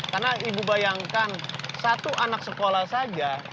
karena ibu bayangkan satu anak sekolah saja